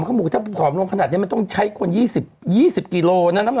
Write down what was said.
เขาบอกถ้าผอมลงขนาดนี้มันต้องใช้คน๒๐๒๐กิโลนะ